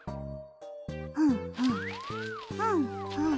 ふんふんふんふん。